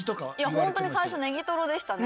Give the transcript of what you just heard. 本当に最初ネギトロでしたね。